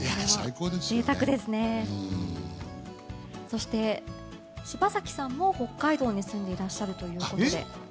そして、柴咲さんも北海道に住んでいらっしゃると。